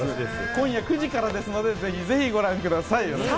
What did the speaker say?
今夜９時からですので、ぜひぜひご覧ください！